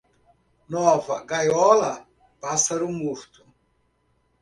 Nova gaiola, pássaro morto.